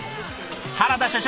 原田社長